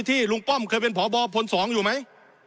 ลุงป้อมเคยเป็นพบพลสองอยู่ไหม